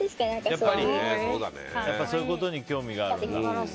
やっぱりそういうことに興味があるんだ。